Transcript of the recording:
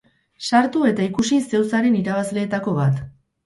Sartu eta ikusi zeu zaren irabazleetako bat.